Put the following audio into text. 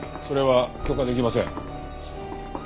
それは許可出来ません。